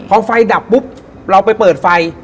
พอไฟดับปุ๊บเราไปเปิดไฟ